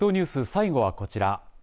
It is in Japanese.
最後はこちら。